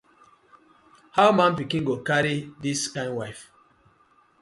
How man pikin go marry dis kind wife.